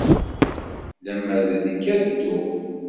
Lemmer d nekk, ad dduɣ.